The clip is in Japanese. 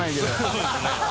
そうですね